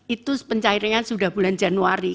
itu pencairannya sudah bulan januari